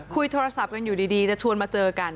คุยโทรศัพท์กันอยู่ดีจะชวนมาเจอกัน